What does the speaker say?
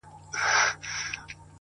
مثبت فکر د ارام ذهن سرچینه ده!